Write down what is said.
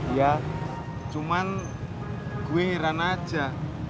ya cuman gue ingin aja